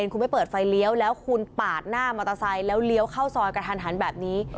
คุณไม่เปิดไฟเลี้ยวแล้วคุณปาดหน้ามอเตอร์ไซค์แล้วเลี้ยวเข้าซอยกระทันหันแบบนี้